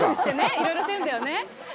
いろいろしてるんだよね。